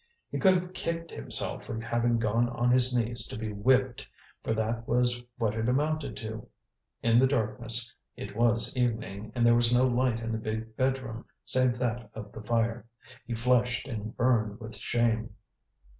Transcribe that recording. He could have kicked himself for having gone on his knees to be whipped, for that was what it amounted to. In the darkness it was evening, and there was no light in the big bed room save that of the fire he flushed and burned with shame.